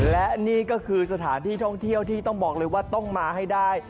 และนี่ก็คือสถานที่ท่องเที่ยวที่ต้องบอกเลยว่าต้องมาให้ได้